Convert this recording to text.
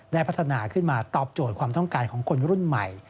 พัฒนาขึ้นมาตอบโจทย์ความต้องการของคนรุ่นใหม่